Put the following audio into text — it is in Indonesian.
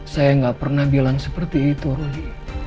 saya gak pernah bilang seperti itu rudy